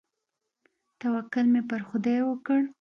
توکل مې پر خداى وکړ.